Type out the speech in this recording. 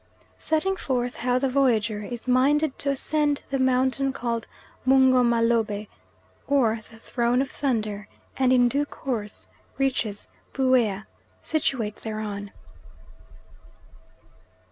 Setting forth how the Voyager is minded to ascend the mountain called Mungo Mah Lobeh, or the Throne of Thunder, and in due course reaches Buea, situate thereon.